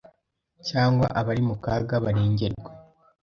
cyangwa abari mu kaga barengerwe”.